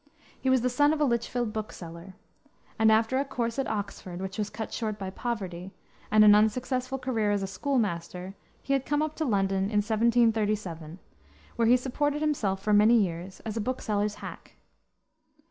He was the son of a Lichfield book seller, and after a course at Oxford, which was cut short by poverty, and an unsuccessful career as a school master, he had come up to London, in 1737, where he supported himself for many years as a book seller's hack.